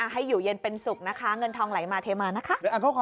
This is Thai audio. ให้อยู่เย็นเป็นสุขนะคะเงินทองไหลมาเทมานะคะ